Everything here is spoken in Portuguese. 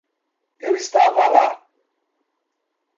Eu estava lá.